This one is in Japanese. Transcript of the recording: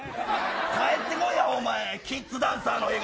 帰ってこいやキッズダンサーの笑顔。